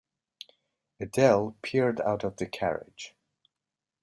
Adele peered out of the carriage.